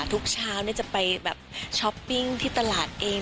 ทุกเช้าจะไปแบบช้อปปิ้งที่ตลาดเอง